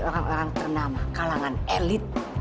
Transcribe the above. orang orang ternama kalangan elit